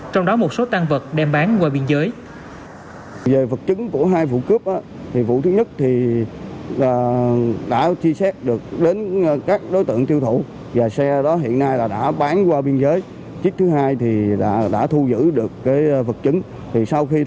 trong đó một số tăng vật đem bán qua biên giới